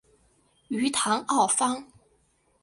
于唐奥方。